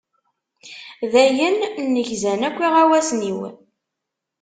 Dayen, nnegzan akk iɣawasen-iw.